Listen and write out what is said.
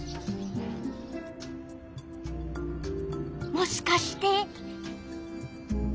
もしかして？